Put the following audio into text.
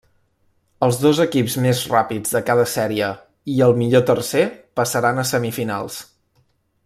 Els dos equips més ràpids de cada sèrie i el millor tercer passaren a semifinals.